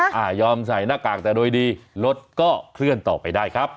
ยอมใส่หน้ากากแต่โดยดีรถก็เคลื่อนต่อไปได้ครับ